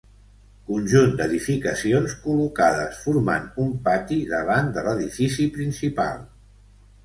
Conjunt d'edificacions col·locades formant un pati davant de l'edifici principal.